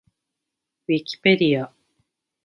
ウィキペディア